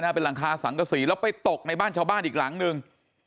เป็นหลังคาสังกษีแล้วไปตกในบ้านชาวบ้านอีกหลังหนึ่ง